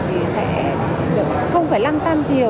thì sẽ không phải lăng tan nhiều